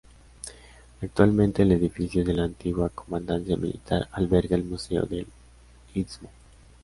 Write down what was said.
Actualmente el edificio de la antigua Comandancia Militar alberga el Museo del Istmo.